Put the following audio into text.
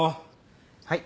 はい。